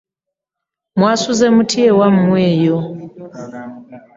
Mwasuze mutya ewamwe eyo?